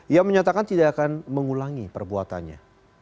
ia menyatakan tidak akan mengulangi perbuatannya